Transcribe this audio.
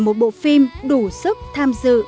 một bộ phim đủ sức tham dự